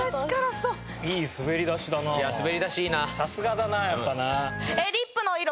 さすがだなやっぱな。